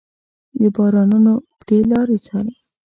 د بارانونو اوږدې لارې څارې